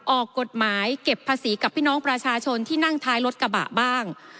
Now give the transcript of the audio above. ออกกฎหมายเก็บภาษีกับพี่น้องประชาชนที่นั่งท้ายรถกระบะบ้าง